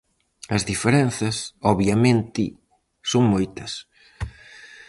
As diferenzas, obviamente, son moitas.